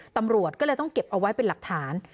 ตำรวจก็เลยต้องเก็บเอาไว้เป็นหลักฐาน